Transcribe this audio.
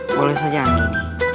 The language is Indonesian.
boleh saja anggini